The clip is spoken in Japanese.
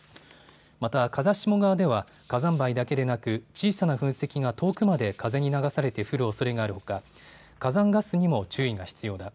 また、風下側では火山灰だけではなく、小さな噴石が遠くまで風に流されて降るおそれがあるほか、火山ガスにも注意が必要だ。